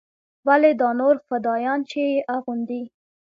ولې دا نور فدايان چې يې اغوندي.